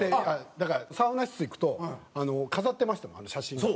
だからサウナ室行くと飾ってましたもん写真が。